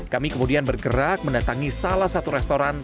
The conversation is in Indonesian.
kami kemudian bergerak mendatangi salah satu restoran